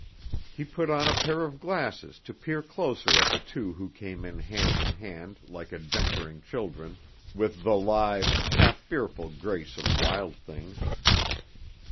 He put on a pair of glasses to peer closer at the two who came in hand in hand like adventuring children, with the lithe, half fearful grace of wild things.